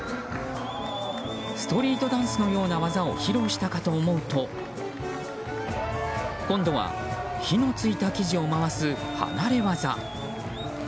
ストリートダンスのような技を披露したかと思うと今度は、火のついた生地を回す離れ業。